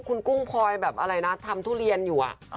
คุณกุ้งพลอยแบบทำทุเรียนอยู่